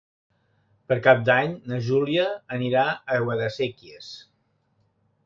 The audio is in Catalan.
Per Cap d'Any na Júlia anirà a Guadasséquies.